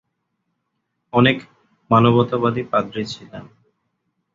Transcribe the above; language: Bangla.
অনেক মানবতাবাদী পাদ্রী ছিলেন।